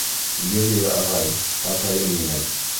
Берия ағай, атайым минең!